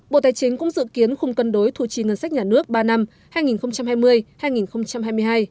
bộ tài chính cũng dự kiến khung cân đối thu chi ngân sách nhà nước ba năm hai nghìn hai mươi hai nghìn hai mươi hai